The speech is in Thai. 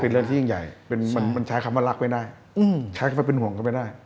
เรื่องที่ยิ่งใหญ่มันใช้คำว่ารักไม่ได้ใช้คำว่าเป็นห่วงก็ไม่ได้